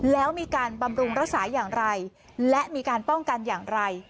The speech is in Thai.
แล้วมีการบำรุงรักษาอย่างไรและมีการป้องกันอย่างไร